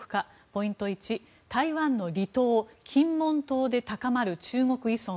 ポイント１、台湾の離島金門島で高まる中国依存。